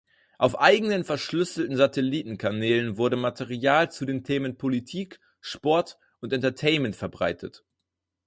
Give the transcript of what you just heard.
Auf eigenen verschlüsselten Satelliten-Kanälen wurde Material zu den Themen Politik, Sport und Entertainment verbreitet.